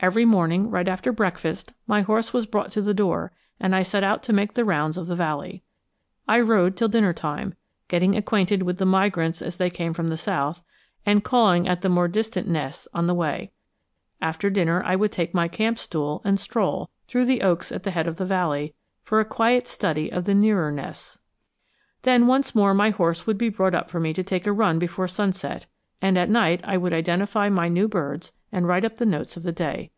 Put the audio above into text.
Every morning, right after breakfast, my horse was brought to the door and I set out to make the rounds of the valley. I rode till dinner time, getting acquainted with the migrants as they came from the south, and calling at the more distant nests on the way. After dinner I would take my camp stool and stroll, through the oaks at the head of the valley, for a quiet study of the nearer nests. Then once more my horse would be brought up for me to take a run before sunset; and at night I would identify my new birds and write up the notes of the day.